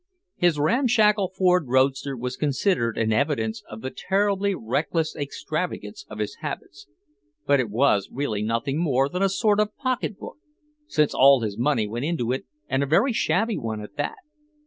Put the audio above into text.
His ramshackle Ford roadster was considered an evidence of the terribly reckless extravagance of his habits, but it was really nothing more than a sort of pocketbook, since all his money went into it, and a very shabby one at that.